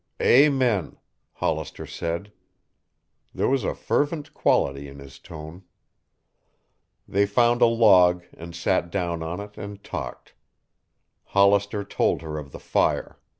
"Amen," Hollister said. There was a fervent quality in his tone. They found a log and sat down on it and talked. Hollister told her of the fire.